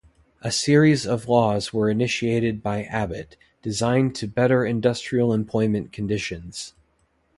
A series of laws were initiated by Abbett, designed to better industrial employment conditions.